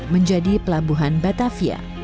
menjadi pelabuhan batavia